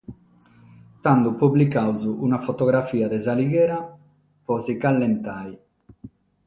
Tando publicamus una fotografia de s’Alighera pro nos callentare.